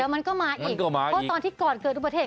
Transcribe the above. เดี๋ยวมันก็มาอีกเพราะตอนที่ก่อนเกิดอุปเทศ